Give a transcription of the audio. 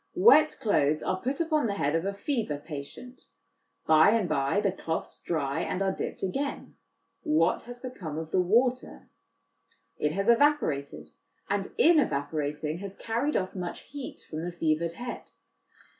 Wet cloths are put upon the head of a fever patient ; by and by the cloths dry, and are dipped again : what has become of the water? It has evaporated, and, in evaporating, has carried off much heat from the fevered head.